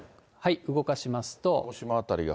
動かしますと。